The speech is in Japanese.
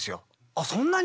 あっそんなに？